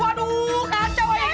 waduh kacau aja ini